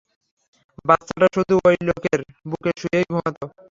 বাচ্চাটা শুধু ওই লোকের বুকে শুয়েই ঘুমাত।